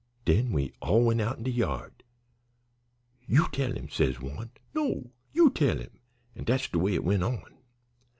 Den we all went out in de yard. 'You tell him,' says one. 'No, you tell him;' an' dat's de way it went on.